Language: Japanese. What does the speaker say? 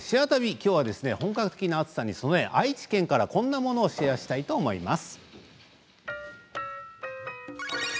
きょうは本格的な暑さに備え愛知県からこんなものをシェアしたいと思います。